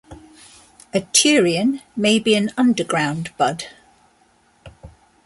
A turion may be an underground bud.